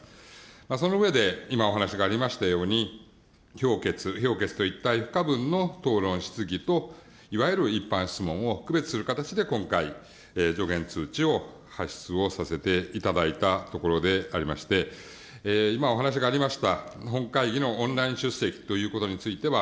その上で、今、お話がありましたように、表決、表決と不可分の討論、質疑と、いわゆる一般質問を区別する形で今回、助言、通知を発出をさせていただいたところでありまして、今お話がありました